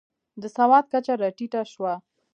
د سواد کچه راټیټه شوه.